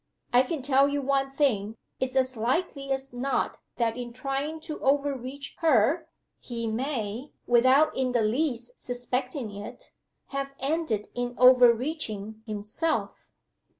I can tell you one thing: it's as likely as not that, in trying to overreach her, he may (without in the least suspecting it) have ended in overreaching himself.